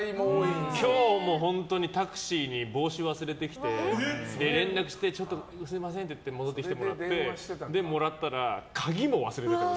今日もタクシーに帽子忘れてきて連絡してちょっとすみませんって言って戻ってきてもらって、もらったら鍵も忘れてて、俺。